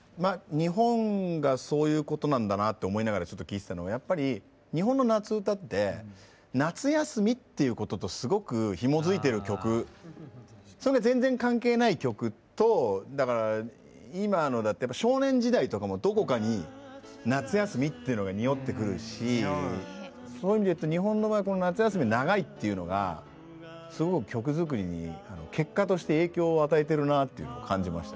日本がそういうことなんだなって思いながらちょっと聴いてたのがやっぱり日本の夏うたってそれが全然関係ない曲と今の「少年時代」とかもどこかに夏休みっていうのがにおってくるしそういう意味で言うと日本の場合夏休み長いっていうのがすごく曲作りに結果として影響を与えてるなというのを感じました。